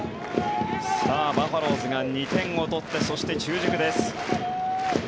バファローズが２点を取ってそして中軸です。